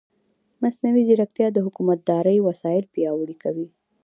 مصنوعي ځیرکتیا د حکومتدارۍ وسایل پیاوړي کوي.